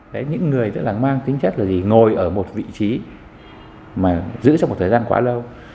đấy những người tức là mang tính chất là gì ngồi ở một vị trí mà giữ trong một thời gian quá lâu